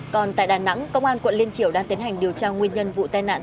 còn tại đà nẵng công an quận liên triểu đang tiến hành điều tra nguyên nhân vụ tai nạn